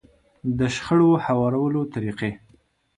د شخړو هوارولو طريقې.